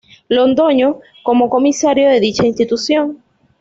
Londoño como Comisario de dicha institución.